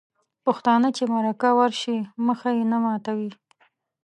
پښتانه چې مرکه ورشي مخ یې نه ماتوي.